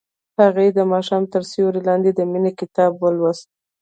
هغې د ماښام تر سیوري لاندې د مینې کتاب ولوست.